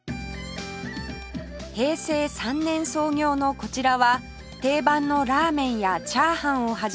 平成３年創業のこちらは定番のラーメンやチャーハンを始め